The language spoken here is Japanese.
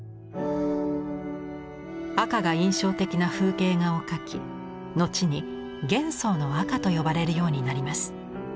赤が印象的な風景画を描き後に「元宋の赤」と呼ばれるようになります。